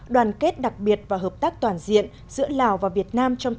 đoàn kết đặc biệt và hợp tác toàn diện giữa lào và việt nam trong